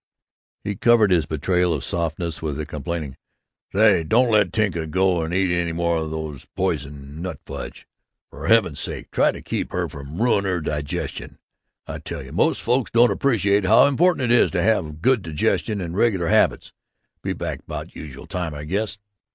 He covered his betrayal of softness with a complaining: "Say, don't let Tinka go and eat any more of that poison nut fudge. For Heaven's sake, try to keep her from ruining her digestion. I tell you, most folks don't appreciate how important it is to have a good digestion and regular habits. Be back 'bout usual time, I guess."